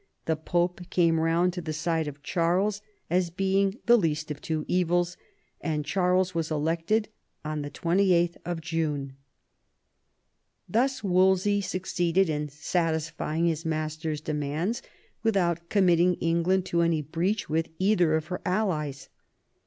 The Pope came round to the side of Charles as being the least of two evils, and Charles was elected on 28th June. Thus Wolsey succeeded in satisfying his master's demands without committing England to any breach with either of her allies.